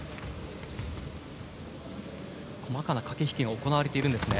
細かな駆け引きが行われているんですね。